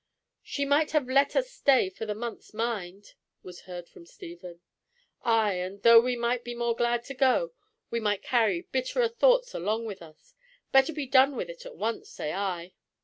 "She might have let us stay for the month's mind," was heard from Stephen. "Ay, and though we might be more glad to go, we might carry bitterer thoughts along with us. Better be done with it at once, say I."